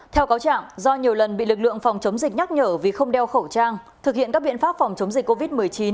theo cáo trạng do nhiều lần bị lực lượng phòng chống dịch nhắc nhở vì không đeo khẩu trang thực hiện các biện pháp phòng chống dịch covid một mươi chín